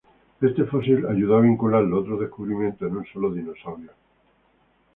Este fósil ayudó a vincular los otros descubrimientos en un solo dinosaurio.